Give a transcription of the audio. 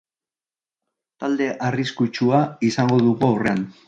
Talde arrikutsua izango dugu aurrean.